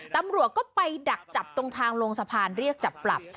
ตำรวจก็ไปดักจับตรงทางลงสะพานเรียกจับปรับ